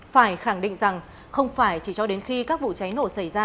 phải khẳng định rằng không phải chỉ cho đến khi các vụ cháy nổ xảy ra